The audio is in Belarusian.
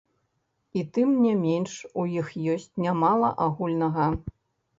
І тым не менш у іх ёсць нямала агульнага.